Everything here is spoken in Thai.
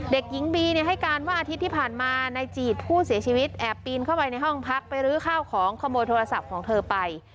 เด็กหญิงบีให้การว่าอาทิตย์ที่ผ่านมานายจีดผู้เสียชีวิตแอบปีนเข้าไปในห้องพักไปรื้อข้าวของขโมยโทรศัพท์ของเธอไป